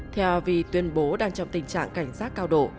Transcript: theo vì tuyên bố đang trong tình trạng cảnh giác cao độ